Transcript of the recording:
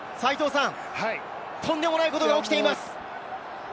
とんでもないことが起きています！